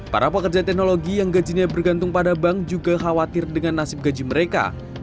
para pekerja teknologi yang gajinya bergantung pada bank juga khawatir dengan nasib gaji mereka